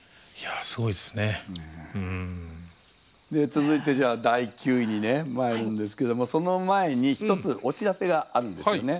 続いてじゃあ第９位にねまいるんですけどもその前に一つお知らせがあるんですよね。